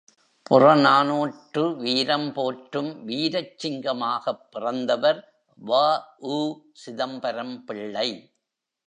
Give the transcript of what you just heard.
புறநானூற்று வீரம் போற்றும் வீரச் சிங்கமாகப் பிறந்தவர் வ.உ.சிதம்பரம் பிள்ளை.